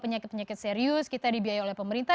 penyakit penyakit serius kita dibiayai oleh pemerintah